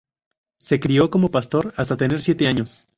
Se crio como pastor hasta tener siete años.